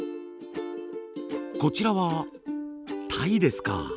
こちらはタイですか。